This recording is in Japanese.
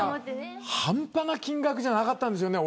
半端な金額じゃなかったんでしょうね。